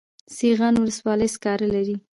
سیغان ولسوالۍ سکاره لري؟